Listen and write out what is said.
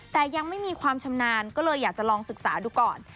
แต่ยังไม่มีความชำนาญก็เลยอยากจะลองศึกษาดูก่อน